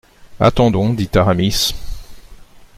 Attendons, dit Aramis.